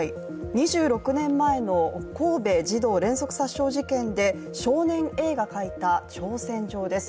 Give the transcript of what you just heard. ２６年前の神戸児童連続殺傷事件で少年Ａが書いた挑戦状です。